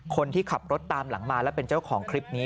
คนที่ขับรถตามหลังมาแล้วเป็นเจ้าของคลิปนี้